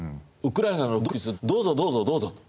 どうぞどうぞどうぞ。